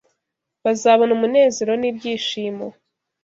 bazabona umunezero n’ibyishimo